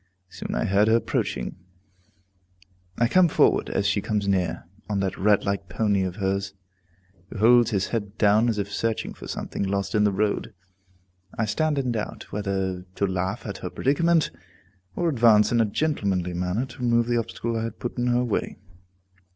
Soon I heard her approaching. I come forward as she comes near, on that rat like pony of hers, who holds his head down as if searching for something lost in the road. I stand in doubt whether to laugh at her predicament, or advance in a gentlemanly manner to remove the obstacle I had put in her way.